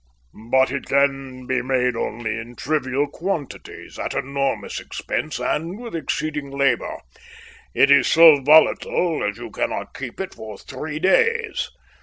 "But it can be made only in trivial quantities, at enormous expense and with exceeding labour; it is so volatile that you cannot keep it for three days.